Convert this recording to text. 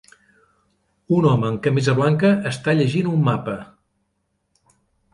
Un home amb camisa blanca està llegint un mapa.